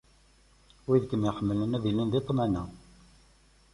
Wid i kem-iḥemmlen ad ilin di ṭṭmana.